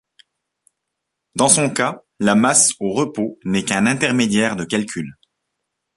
Dans son cas, la masse au repos n'est qu'un intermédiaire de calcul.